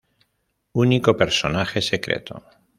Único personaje secreto.